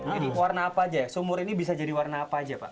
jadi warna apa aja ya sumur ini bisa jadi warna apa aja pak